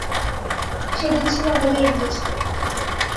সেদিন ছিল আমাদের এনগেজমেন্ট।